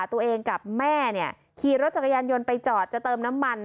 ตัวเองกับแม่ขี่รถจักรยานยนต์ไปจอดจะเติมน้ำมัน